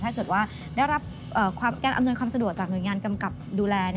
ถ้าเกิดว่าได้รับการอำนวยความสะดวกจากหน่วยงานกำกับดูแล